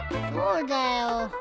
そうだよ。